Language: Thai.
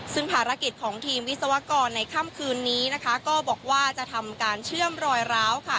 ซึ่งภารกิจของทีมวิศวกรในค่ำคืนนี้นะคะก็บอกว่าจะทำการเชื่อมรอยร้าว